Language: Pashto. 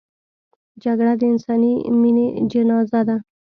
جګړه د انساني مینې جنازه ده